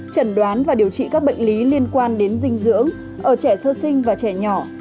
trần đoán và điều trị các bệnh lý liên quan đến dinh dưỡng ở trẻ sơ sinh và trẻ nhỏ